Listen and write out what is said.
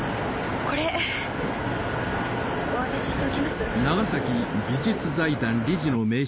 これお渡ししておきます。